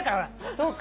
そうか。